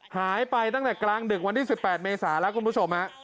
หายไปตั้งแต่กลางดึกวันที่๑๘เมษาแล้วคุณผู้ชม